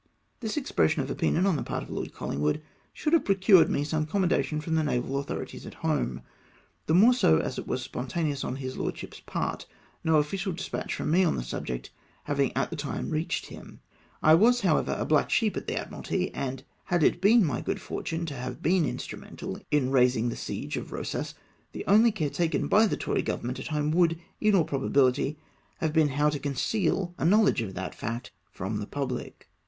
This expression of opinion on the part of Lord CoUingwood should have procured me some commen dation from the Naval authorities at home ; the more so as it was spontaneous on his lordship's part, no official despatch from me on the subject having at that time reached him, I was, however, a black sheep at the Admiralty, and, had it been my good fortune to have been instrumental in raising the siege of Eosas, the only care taken by the Tory Government at home would, in all probability, have been how to conceal a knowledge 318 DESPATCH TO LORD COLLIXGWOOD. of the fact from the pubhc.